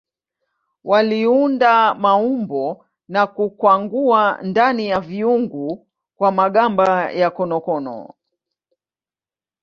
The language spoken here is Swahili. Waliunda maumbo na kukwangua ndani ya viungu kwa magamba ya konokono.